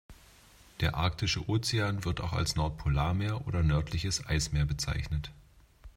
Der Arktische Ozean, wird auch als Nordpolarmeer oder nördliches Eismeer bezeichnet.